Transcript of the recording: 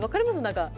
何か。